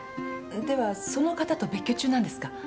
ではその方と別居中なんですか？